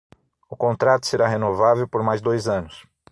O contrato será renovável por mais dois anos.